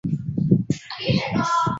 甘丹塔钦旁边有许多景点。